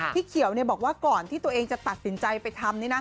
พี่เขียวบอกว่าก่อนที่ตัวเองจะตัดสินใจไปทำ